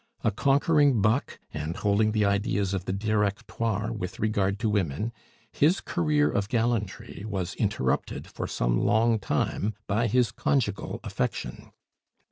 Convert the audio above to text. A conquering "buck," and holding the ideas of the Directoire with regard to women, his career of gallantry was interrupted for some long time by his conjugal affection.